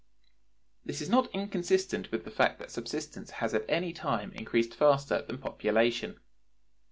This is not inconsistent with the fact that subsistence has at any time increased faster than population.